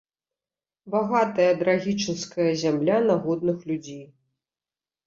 Багатая драгічынская зямля на годных людзей.